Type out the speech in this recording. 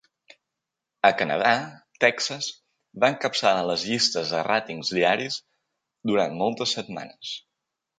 A Canadà, "Texas" va encapçalar les llistes de ràtings diaris durant moltes setmanes.